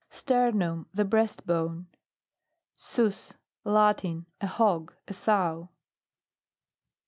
STERNUM The breast bone. Sus. Latin. A hog. a sow.